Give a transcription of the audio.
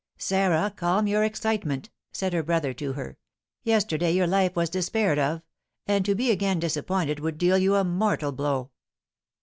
"Sarah, calm your excitement!" said her brother to her; "yesterday your life was despaired of, and to be again disappointed would deal you a mortal blow!"